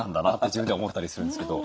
自分では思ったりするんですけど。